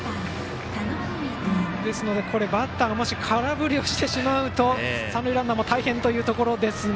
ですので、バッターがもし空振りをしてしまうと三塁ランナーも大変というところですが。